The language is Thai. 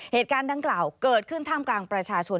เหตุการณ์ดังกล่าวเกิดขึ้นท่ามกลางประชาชน